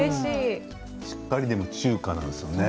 しっかり中華なんですよね。